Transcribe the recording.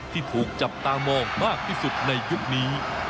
ที่ถูกจับตามองมากที่สุดในยุคนี้